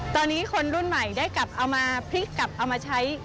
ตอนนี้คนรุ่นใหม่ได้กลับเอามาพลิกกลับเอามาใช้